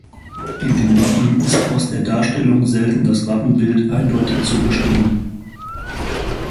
In den Wappen ist aus der Darstellung selten das Wappenbild eindeutig zu bestimmen.